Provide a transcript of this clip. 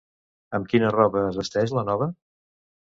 Amb quina roba es vesteix la nova?